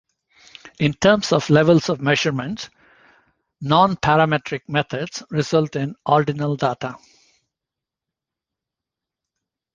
In terms of levels of measurement, non-parametric methods result in "ordinal" data.